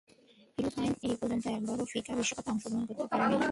Philippine এপর্যন্ত একবারও FIFA বিশ্বকাপে অংশগ্রহণ করতে পারেনি।